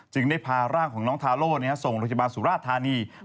ได้พาร่างของน้องทาโล่ส่งโรงพยาบาลสุราชธานี